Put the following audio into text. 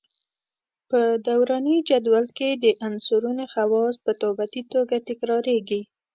په دوراني جدول کې د عنصرونو خواص په نوبتي توګه تکراریږي.